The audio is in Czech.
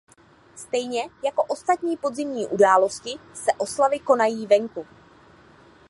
Stejně jako ostatní podzimní události se oslavy konají venku.